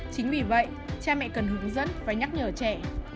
chính vì vậy cha mẹ cần hướng dẫn và nhắc nhở trẻ